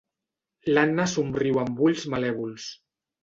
L'Anna somriu amb ulls malèvols.